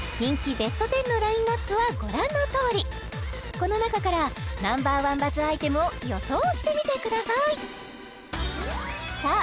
ベスト１０のラインナップはご覧のとおりこの中からＮｏ．１バズアイテムを予想してみてくださいさあ